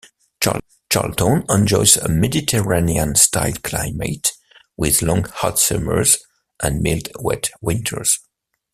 Charlton enjoys a Mediterranean style climate, with long hot summers and mild wet winters.